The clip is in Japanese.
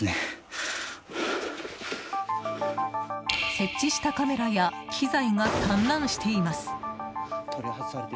設置したカメラや機材が散乱しています。